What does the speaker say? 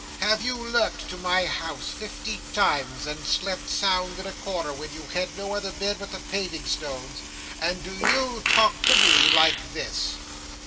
Have you lurked to my house fifty times, and slept sound in a corner when you had no other bed but the paving stones, and do you talk to me like this!